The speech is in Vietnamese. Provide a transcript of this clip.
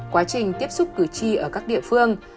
quá trình tiếp xúc cử tri ở các địa phương